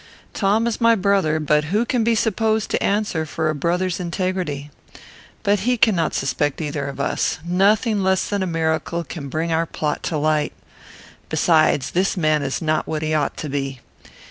Tom is my brother, but who can be supposed to answer for a brother's integrity? but he cannot suspect either of us. Nothing less than a miracle can bring our plot to light. Besides, this man is not what he ought to be.